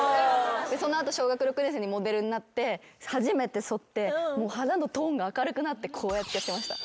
その後小学６年生にモデルになって初めてそって肌のトーンが明るくなってこうやってやってました。